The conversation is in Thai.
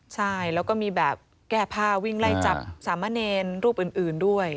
ใช่แล้วก็มีแบบแก้ผ้าวิ่งไล่จับสามเณรรูปอื่นด้วย